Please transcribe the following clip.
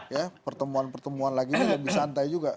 ya pertemuan pertemuan lagi ini lebih santai juga